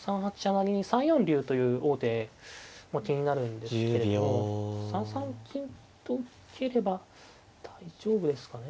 成に３四竜という王手気になるんですけれども３三金と受ければ大丈夫ですかね。